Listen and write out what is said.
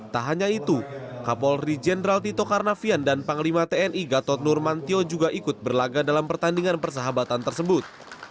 tak hanya itu kapolri jenderal tito karnavian dan panglima tni gatot nurmantio juga ikut berlaga dalam pertandingan persahabatan tersebut